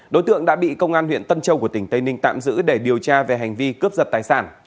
đối tượng đã bị công an huyện tân châu của tỉnh tây ninh tạm giữ để điều tra về hành vi cướp giật tài sản